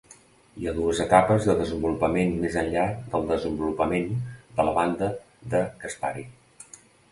Hi ha dues etapes de desenvolupament més enllà del desenvolupament de la banda de Caspary.